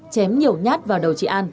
chém nhiều nhát vào đầu chị an